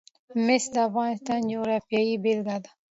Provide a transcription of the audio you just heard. مس د افغانستان د جغرافیې بېلګه ده.